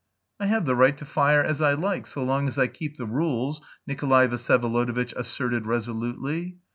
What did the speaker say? "I have the right to fire as I like so long as I keep the rules," Nikolay Vsyevolodovitch asserted resolutely.